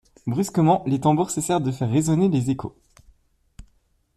Brusquement les tambours cessèrent de faire résonner les échos.